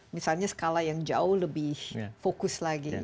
misalnya skala yang jauh lebih fokus lagi